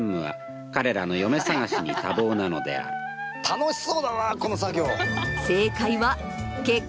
楽しそうだなこの作業！